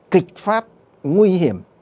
kịch phát nguy hiểm